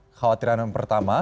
kekhawatiran yang pertama